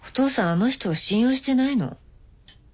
あの人を信用してないの？